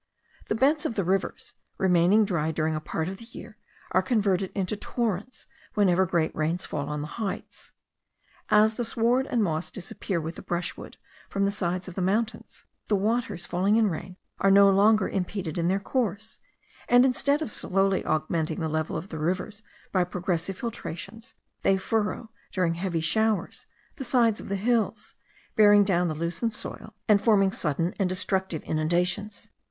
The beds of the rivers, remaining dry during a part of the year, are converted into torrents whenever great rains fall on the heights. As the sward and moss disappear with the brushwood from the sides of the mountains, the waters falling in rain are no longer impeded in their course; and instead of slowly augmenting the level of the rivers by progressive filtrations, they furrow, during heavy showers, the sides of the hills, bearing down the loosened soil, and forming sudden and destructive inundations.